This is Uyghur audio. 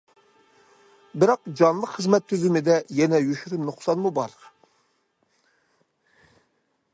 بىراق جانلىق خىزمەت تۈزۈمىدە يەنە يوشۇرۇن نۇقسانمۇ بار.